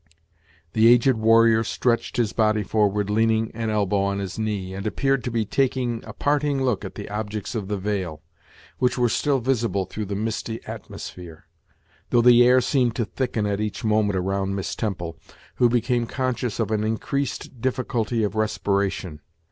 The aged warrior stretched his body forward, leaning an elbow on his knee, and appeared to be taking a parting look at the objects of the vale, which were still visible through the misty atmosphere, though the air seemed to thicken at each moment around Miss Temple, who became conscious of an increased difficulty of respiration.